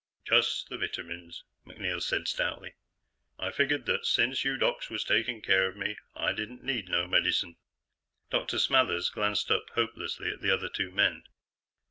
"Just the vitamins," MacNeil said stoutly. "I figured that since you docs was takin' care of me, I didn't need no medicine." Dr. Smathers glanced up hopelessly at the other two men.